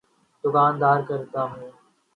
دوکانداری کرتا ہوں۔